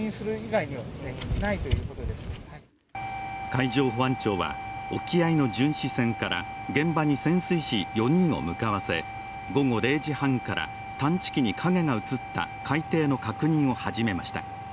海上保安庁は沖合の巡視船から現場に潜水士４人を向かわせ、午後０時半から探知機に影が映った海底の確認を始めました。